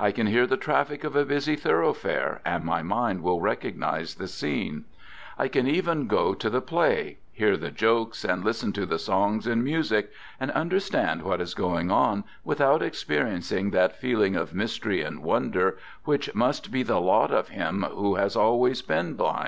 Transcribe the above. I can hear the traffic of a busy thoroughfare, and my mind will recognize the scene. I can even go to the play; hear the jokes and lis ten to the songs and music, and understand what is going on without experiencing that feeling of mys tery and wonder which must be the lot of him who has always been blind.